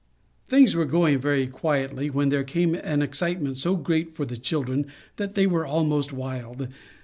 Things were going very quietly, when there came an excitement so great for the children that they were almost wild.